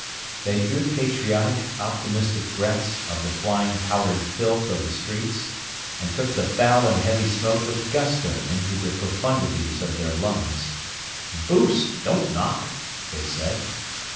They drew patriotic, optimistic breaths of the flying powdered filth of the streets, and took the foul and heavy smoke with gusto into the profundities of their lungs. "Boost! Don't knock!" they said.